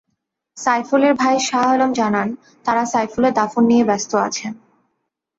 সাইফুলের ভাই শাহ আলম জানান, তাঁরা সাইফুলের দাফন নিয়ে ব্যস্ত আছেন।